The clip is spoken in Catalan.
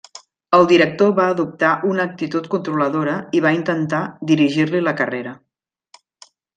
El director va adoptar una actitud controladora i va intentar dirigir-li la carrera.